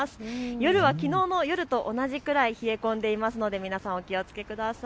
夜はきのうの夜と同じくらい冷え込んでいますので皆さん、お気をつけください。